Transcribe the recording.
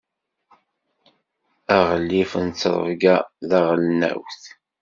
Aγlif n ttṛebga taγelnawt.